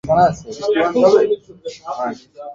কোনো বিষয়ে দ্বিমত হলে তারা কয়েন টস করে সিদ্ধান্ত নিয়ে থাকে।